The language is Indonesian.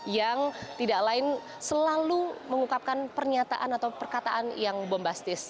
yang tidak lain selalu mengukapkan pernyataan atau perkataan yang bombastis